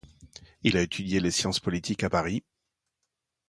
Il a étudié les sciences politiques à Paris.